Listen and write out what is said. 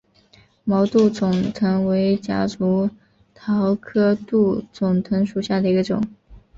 毛杜仲藤为夹竹桃科杜仲藤属下的一个种。